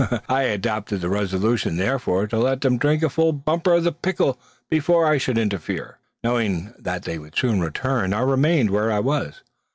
I adopted the resolution, therefore, to let them drink a full bumper of the "pickle" before I should interfere. Knowing that they would soon return, I remained where I was.